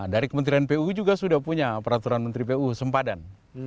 dari kementerian pu juga sudah punya peraturan menteri pu sempadan